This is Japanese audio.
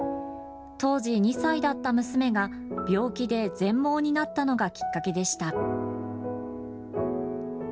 当時２歳だった娘が病気で全盲になったのがきっかけでした。